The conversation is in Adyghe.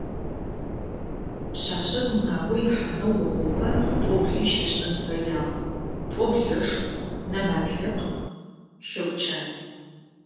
Пшъашъэр унагъо ихьанэу охъуфэ пӏоблищ ышӏын фэягъэ: пӏоблэшху, нэмазлыкъ, лъэгукӏадз.